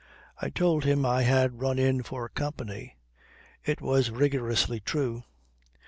"I told him I had run in for company. It was rigorously true."